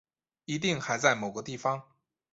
一定还在某个地方